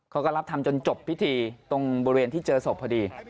เขาก็รับทำจนจบพิธีตรงบริเวณที่เจอศพพอดี